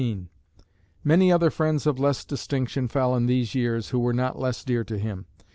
Many other friends of less distinction fell in these years who were not less dear to him.